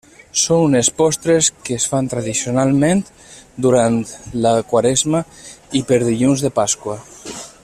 Són unes postres que es fan tradicionalment durant la Quaresma i per Dilluns de Pasqua.